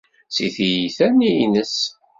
Si ṭṭiya-nni-ines.